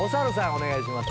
お願いします。